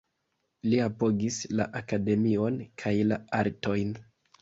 Li apogis la akademion kaj la artojn.